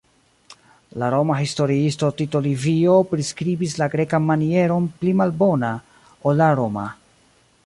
La Roma historiisto Tito Livio priskribis la grekan manieron pli malbona ol la roma.